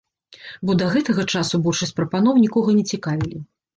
Бо да гэтага часу большасць прапаноў нікога не цікавілі.